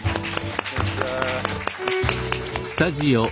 こんにちは。